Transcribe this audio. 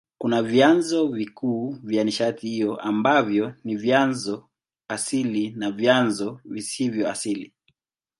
Kuna vyanzo vikuu vya nishati hiyo ambavyo ni vyanzo asili na vyanzo visivyo asili.